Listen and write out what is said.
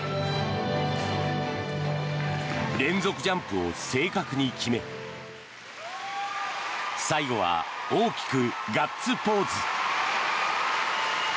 連続ジャンプを正確に決め最後は大きくガッツポーズ。